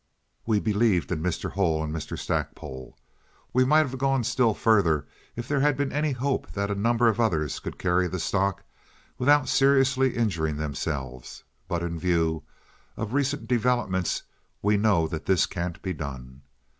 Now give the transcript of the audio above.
We believed in Mr. Hull and Mr. Stackpole. We might have gone still further if there had been any hope that a number of others could carry the stock without seriously injuring themselves; but in view of recent developments we know that this can't be done.